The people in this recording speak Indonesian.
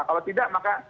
kalau tidak maka